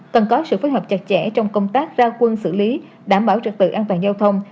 cần có sự phối hợp chặt chẽ trong công tác ra quân xử lý đảm bảo trật tự an toàn giao thông